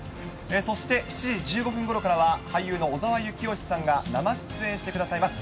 そして７時１５分ごろからは、俳優の小澤征悦さんが生出演してくださいます。